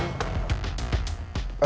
terima kasih ya